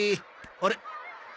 あれ？